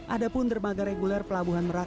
ada pun dermaga reguler pelabuhan merak